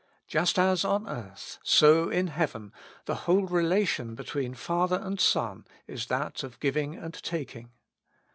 Just as on earth, so in heaven the whole relation between Father and Son is that of giving and taking.